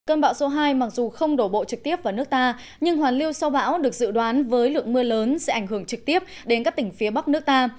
cơn bão số hai mặc dù không đổ bộ trực tiếp vào nước ta nhưng hoàn lưu sau bão được dự đoán với lượng mưa lớn sẽ ảnh hưởng trực tiếp đến các tỉnh phía bắc nước ta